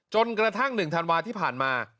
จนกระทั่ง๑ธันวาที่ผ่านมา